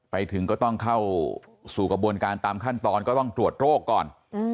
ไปถึงก็ต้องเข้าสู่กระบวนการตามขั้นตอนก็ต้องตรวจโรคก่อน